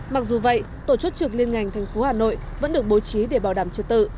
mặc dù vậy tổ chức trực liên ngành thành phố hà nội vẫn được bố trí để bảo đảm trật tự